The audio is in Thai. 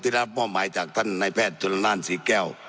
ที่ได้รับมอบหมายจากท่านนายแพทย์จุลนานศรีแก้ว